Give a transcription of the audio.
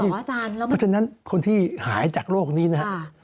เพราะฉะนั้นคนที่หายจากโรคนี้นะครับ